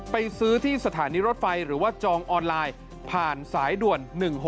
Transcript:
ไปซื้อที่สถานีรถไฟหรือว่าจองออนไลน์ผ่านสายด่วน๑๖๖